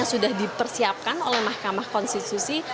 sudah dipersiapkan oleh mahkamah konstitusi